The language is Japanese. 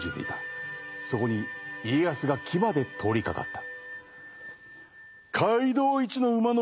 そこに家康が騎馬で通りかかった。